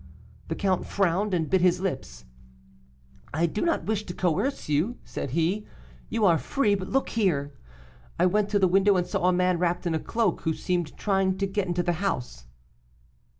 "The count frowned, and bit his lips. 'I do not wish to coerce you,' said he; 'you are free; but look here.' I went to the window, and saw a man wrapped in a cloak, who seemed trying to get into the house."